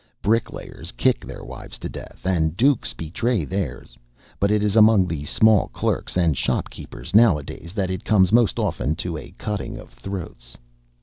Bricklayers kick their wives to death, and dukes betray theirs; but it is among the small clerks and shopkeepers nowadays that it comes most often to a cutting of throats.